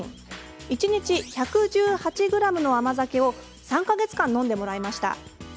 一日１１８ｇの甘酒を３か月間、飲んでもらいました。